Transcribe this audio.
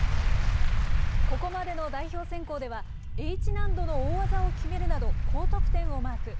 ここまでの代表選考では、Ｈ難度の大技を決めるなど、高得点をマーク。